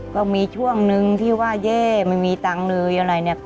ก็มีช่วงนึงที่ว่าแย่ไม่มีตังค์เลยอะไรเนี่ย